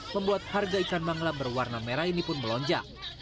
membuat harga ikan mangla berwarna merah ini pun melonjak